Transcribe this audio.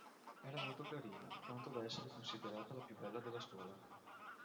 Era molto carina, tanto da essere considerata la più bella della scuola.